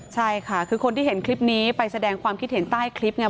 ใช่ค่ะคือคนที่เห็นคลิปนี้ไปแสดงความคิดเห็นใต้คลิปไง